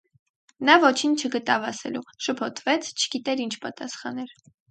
Նա ոչինչ չգտավ ասելու, շփոթվեց, չգիտեր ինչ պատասխաներ: